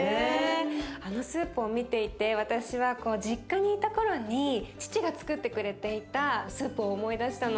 あのスープを見ていて私は実家にいた頃に父がつくってくれていたスープを思い出したの。